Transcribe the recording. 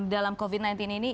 dalam covid sembilan belas ini